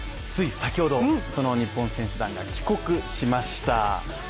つい先ほど、その日本選手団が帰国しました。